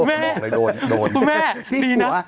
ไอหนุ่มโอ้โหคุณแม่โดนโดน